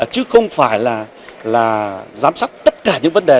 chứ không phải là giám sát tất cả những vấn đề